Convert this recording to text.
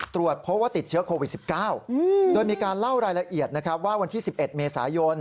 ตรวจพบว่าติดเชื้อโควิด๑๙โดยมีการเล่ารายละเอียดนะครับว่าวันที่๑๑เมษายน